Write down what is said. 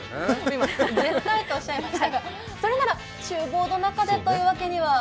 今、絶対とおっしゃいましたが、それなら厨房の中でというわけには？